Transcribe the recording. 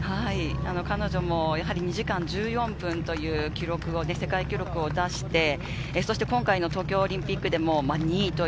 彼女も２時間１４分という世界記録を出して、今回の東京オリンピックでも２位。